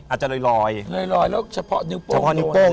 อาจจะลอยแล้วเฉพาะนิ้วโป้ง